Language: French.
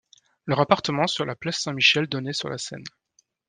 Leur appartement sur la place Saint-Michel donnait sur la Seine.